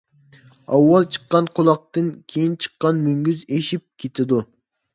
ئاۋۋال چىققان قۇلاقتىن كېيىن چىققان مۈڭگۈز ئېشىپ كېتىدۇ.